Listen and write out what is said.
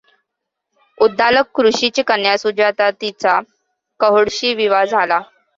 उद्दालक ऋषींची कन्या सुजाता हिचा कहोडशी विवाह झाला.